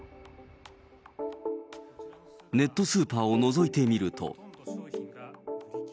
ネットスーパーをのぞいてみると。